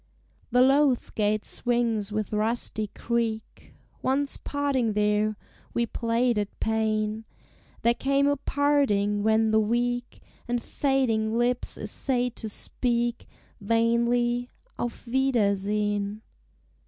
The loath gate swings with rusty creak; Once, parting there, we played at pain; There came a parting, when the weak And fading lips essayed to speak Vainly, "Auf wiedersehen!"